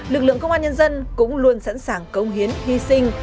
lực lượng công an nhân dân cũng luôn sẵn sàng công hiến hy sinh